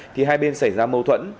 thì hai bên xảy ra mâu thuẫn